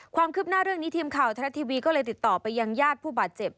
ความคืบหน้าเรื่องนี้ทีมข่าวทรัฐทีวีก็เลยติดต่อไปยังญาติผู้บาดเจ็บ